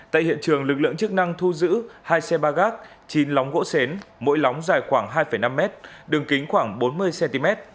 tại hiện trường lực lượng chức năng thu giữ hai xe ba gác chín lóng gỗ xến mỗi lóng dài khoảng hai năm mét đường kính khoảng bốn mươi cm